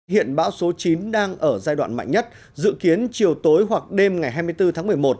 hiện bão số chín đang ở giai đoạn mạnh nhất dự kiến chiều tối hoặc đêm ngày hai mươi bốn tháng một mươi một